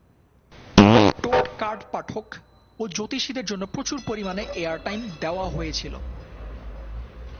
টোট card পাঠক ও জ্যোতিষীদের জন্য প্রচুর পরিমাণে এয়ারটাইম দেওয়া হয়েছিল।